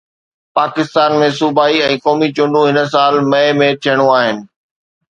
پاڪستان ۾ صوبائي ۽ قومي چونڊون هن سال مئي ۾ ٿيڻيون آهن